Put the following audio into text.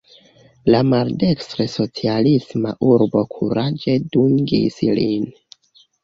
La maldekstre socialisma urbo kuraĝe dungis lin.